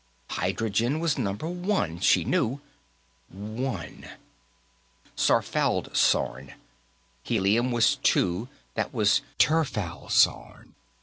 Hydrogen was Number One, she knew; One, Sarfaldsorn. Helium was Two; that was Tirfaldsorn.